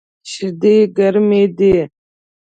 شیدې ګرمی دی